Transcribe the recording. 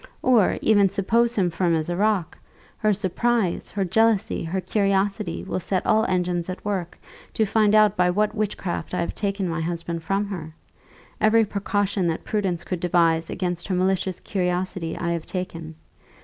Or, even suppose him firm as a rock, her surprise, her jealousy, her curiosity, will set all engines at work, to find out by what witchcraft I have taken my husband from her. Every precaution that prudence could devise against her malicious curiosity I have taken.